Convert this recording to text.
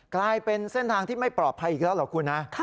กลายเป็นเส้นทางที่ไม่ปลอดภัยอีกแล้วเหรอคุณนะ